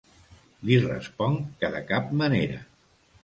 Li responc que de cap manera.